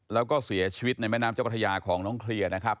แล้วก็เสียชีวิตในแม่น้ำเจ้าพัทยาของน้องเคลียร์นะครับ